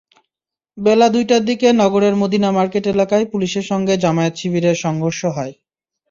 বেলা দুইটার দিকে নগরের মদিনা মার্কেট এলাকায় পুলিশের সঙ্গে জামায়াত-শিবিরের সংঘর্ষ হয়।